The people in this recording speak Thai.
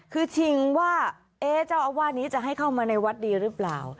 คือชิงว่าเจ้าอาวาสนี้จะให้เข้ามาในวัดดีหรือเปล่า